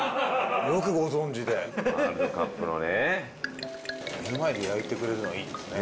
よくご存じでヘヘヘワールドカップのね目の前で焼いてくれるのいいですね